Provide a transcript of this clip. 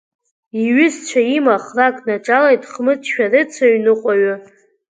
Иҩызцәа има храк днаҿалеит Хмыҷ шәарыцаҩ ныҟәаҩы!